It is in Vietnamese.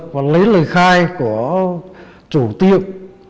và lấy lời khai của chủ tiệp